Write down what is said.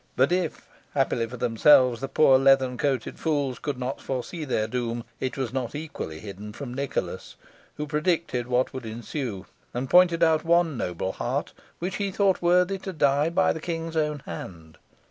But if, happily for themselves, the poor leathern coated fools could not foresee their doom, it was not equally hidden from Nicholas, who predicted what would ensue, and pointed out one noble hart which he thought worthy to die by the King's own hand.